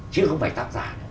chứ không phải tác giả